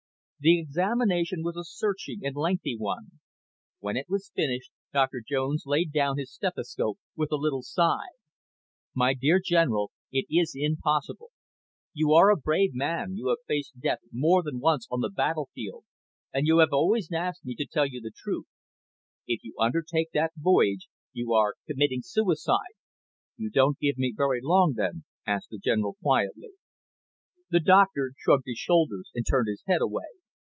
The examination was a searching and lengthy one. When it was finished, Doctor Jones laid down his stethoscope with a little sigh. "My dear General, it is impossible. You are a brave man, you have faced death more than once on the battlefield, and you have always asked me to tell you the truth. If you undertake that voyage, you are committing suicide." "You don't give me very long then?" asked the General quietly. The doctor shrugged his shoulders and turned his head away.